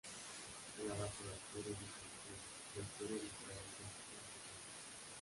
Creada por autores desconocidos, la historia mostraba un príncipe africano.